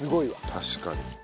確かに。